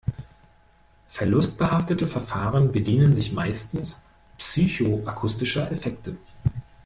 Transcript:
Verlustbehaftete Verfahren bedienen sich meistens psychoakustischer Effekte.